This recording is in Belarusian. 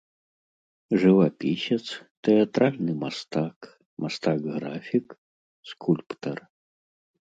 Жывапісец, тэатральны мастак, мастак-графік, скульптар.